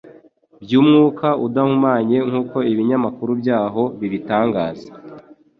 by'umwuka udahumanye nk'uko ibinyamakuru byaho bibitangaza.